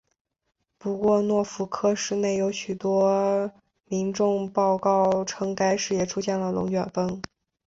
不过诺福克市内有许多民众报告称该市也出现了龙卷风。